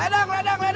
ledang ledang ledang